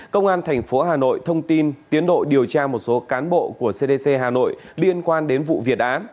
công an tp hà nội thông tin tiến độ điều tra một số cán bộ của cdc hà nội liên quan đến vụ việt á